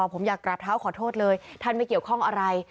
ผมอยากกราบเท้าขอโทษเลยท่านไม่เกี่ยวข้องอะไร